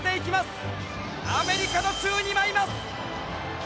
アメリカの宙に舞います！